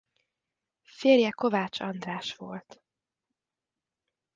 Férje Kovács András volt.